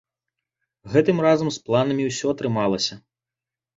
Гэтым разам з планамі ўсё атрымалася.